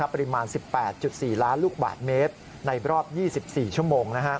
ปริมาณ๑๘๔ล้านลูกบาทเมตรในรอบ๒๔ชั่วโมง